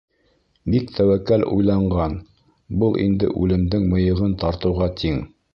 — Бик тәүәккәл уйланған, был инде үлемдең мыйығын тартыуға тиң.